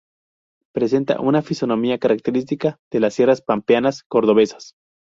Presenta una fisonomía característica de las sierras pampeanas cordobesas.